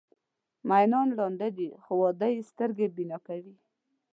مینان ړانده وي خو واده یې سترګې بینا کوي.